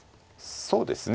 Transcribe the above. そうですね。